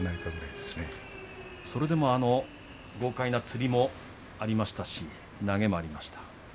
それでも豪快なつりもありましたし投げもありました。